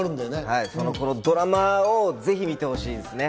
そのドラマをぜひ見てほしいですね。